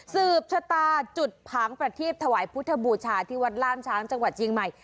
สืบชะตาจุดผางประทีบถวายพุทธบูชาที่วัดล่ามช้างจังหวัดเชียงใหม่